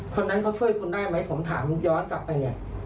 คนนั้นเขาช่วยคุณได้ไหมผมถามย้อนกลับไปเนี่ย